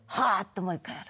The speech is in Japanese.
もう一回やる。